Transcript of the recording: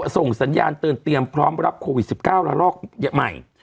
ส่งสัญญาณเตือนเตรียมพร้อมรับโควิด๑๙ระลอกใหม่